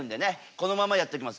このままやっときます。